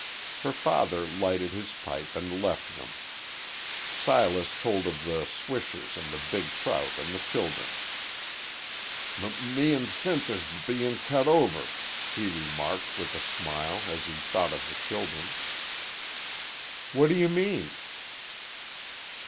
Her father lighted his pipe and left them. Silas told of the swishers and the big trout and the children. "M me an' Sinth is b bein' cut over," here marked, with a smile, as he thought of the children. "What do you mean?"